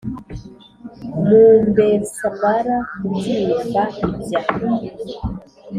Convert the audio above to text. numbersmara kubyimba ibya